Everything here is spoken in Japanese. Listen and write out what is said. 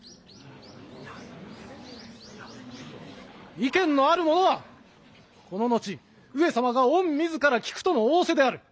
意見のあるものはこの後上様が御自ら聞くとの仰せである。